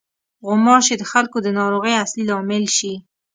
غوماشې د خلکو د ناروغۍ اصلي لامل شي.